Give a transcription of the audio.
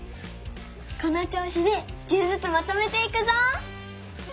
このちょうしで１０ずつまとめていくぞ！